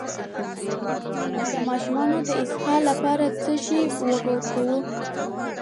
د ماشوم د اسهال لپاره د څه شي اوبه ورکړم؟